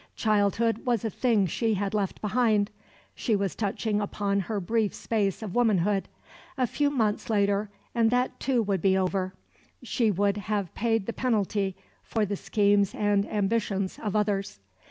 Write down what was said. Childhood was a thing she had left behind; she was touching upon her brief space of womanhood; a few months later and that too would be over; she would have paid the penalty for the schemes and ambitions of others.